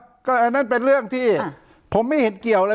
อ่ะก็เรื่องนั้นเป็นเรื่องที่ผมไม่เห็นเกี่ยวอะไร